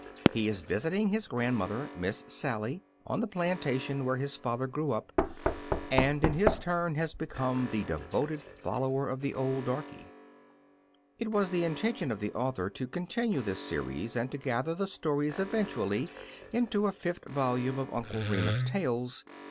He is visiting his grandmother {^^Miss Sally *0 on the plantation where his father grew up^ and, in his turn, has hecome the devoted fol lower of the old darkey. It was the intention of the author to continue this series and to gather the stories eventually into a fifth volume of Uncle Remus tales.